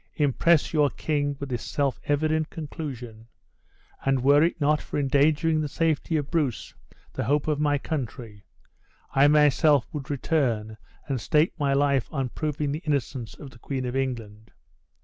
Impress your king with this self evident conclusion; and were it not for endangering the safety of Bruce, the hope of my country, I myself would return and stake my life on proving the innocence of the Queen of England.